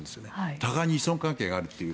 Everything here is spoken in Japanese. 互いに依存関係があるという。